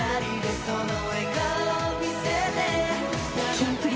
キンプリ